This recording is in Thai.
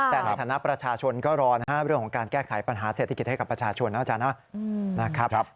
แต่ในฐานะประชาชนก็รอนะฮะเรื่องของการแก้ไขปัญหาเศรษฐกิจให้กับประชาชนนะอาจารย์นะครับ